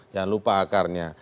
jangan lupa akarnya